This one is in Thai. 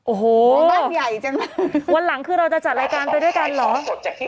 โอ้โหวันหลังคือเราจะจัดรายการไปด้วยกันเหรออ๋อบ้านใหญ่จังเลย